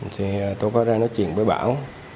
thì tôi có ra nói chuyện với bảo